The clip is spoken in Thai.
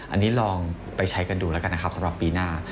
อันนี้ลองไปใช้กันดูแล้วกันนะครับสำหรับปีหน้า